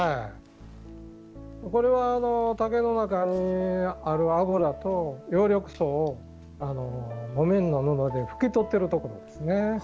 これは竹の中にある油と葉緑素を木綿の布で拭き取ってるところですね。